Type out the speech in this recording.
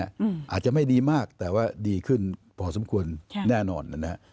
อาจจะไม่ดีมากแต่ว่าดีขึ้นพอสมควรแน่นอนนะฮะ